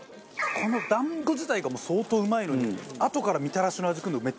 この団子自体が相当うまいのにあとからみたらしの味くるのめっちゃうれしいですね。